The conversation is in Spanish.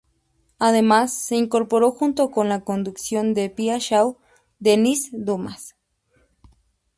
Además, se incorporó junto con la conducción de Pía Shaw, Denise Dumas.